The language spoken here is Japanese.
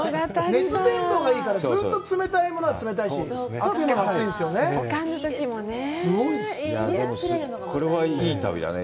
熱伝導がいいから、ずっと冷たいものは冷たいし、これはいい旅だね。